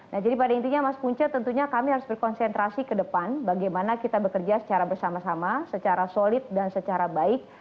nah jadi pada intinya mas punca tentunya kami harus berkonsentrasi ke depan bagaimana kita bekerja secara bersama sama secara solid dan secara baik